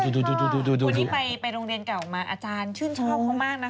คุณที่ไปโรงเรียนเก่าออกมาอาจารย์ชื่นชอบเขามากนะ